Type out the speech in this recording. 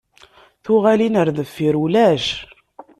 Tuɣalin ar deffir ulac.